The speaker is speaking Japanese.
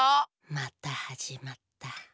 またはじまった。